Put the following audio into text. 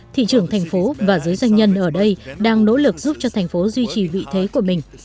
thị trường thành phố và giới doanh nhân ở đây đang nỗ lực giúp cho thành phố duy trì vị thế của mình